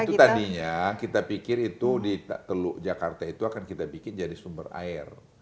itu tadinya kita pikir itu di teluk jakarta itu akan kita bikin jadi sumber air